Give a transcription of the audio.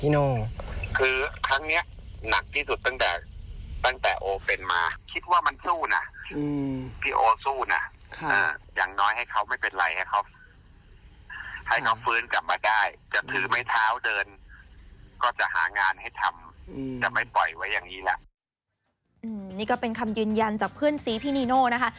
นี่ก็เป็นคำยืนยันจากเพื่อนซีพี่นีโน่นะคะ